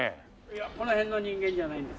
いやこの辺の人間じゃないんです。